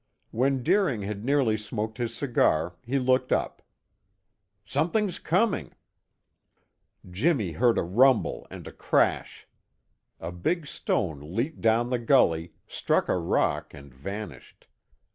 When Deering had nearly smoked his cigar he looked up. "Something's coming!" Jimmy heard a rumble and a crash. A big stone leaped down the gully, struck a rock and vanished.